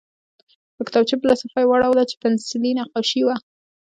د کتابچې بله صفحه یې واړوله چې پنسلي نقاشي وه